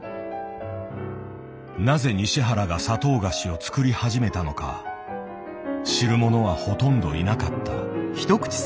なぜ西原が砂糖菓子を作り始めたのか知る者はほとんどいなかった。